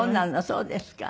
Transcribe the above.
そうですか。